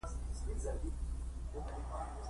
مينې وويل هو سهار مې يو ډيکلوفينک امپول ورکړى و.